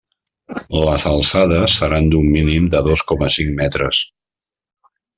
Les alçades seran d'un mínim de dos coma cinc metres.